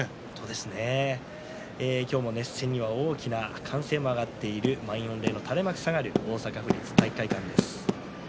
今日も熱戦には大きな歓声が上がっている満員御礼の垂れ幕が下がる大阪府立体育会館です。